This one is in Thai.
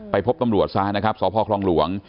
พบตำรวจซะนะครับสพคลองหลวง